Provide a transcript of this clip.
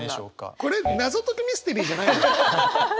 これ謎解きミステリーじゃないのよ。